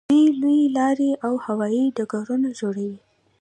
دوی لویې لارې او هوایي ډګرونه جوړوي.